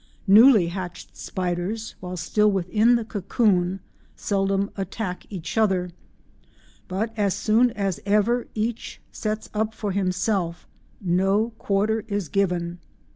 Newly hatched spiders while still within the cocoon seldom attack each other, but as soon as ever each sets up for itself, no quarter is given.